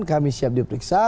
kami siap diperiksa